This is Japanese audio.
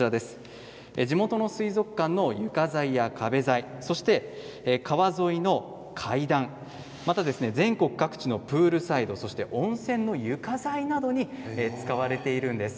地元の水族館の床材や壁材そして川沿いの階段また全国各地のプールサイドそして温泉の床材などに使われているんです。